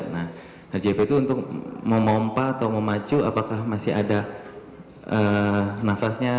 nah hgp itu untuk memompa atau memacu apakah masih ada nafasnya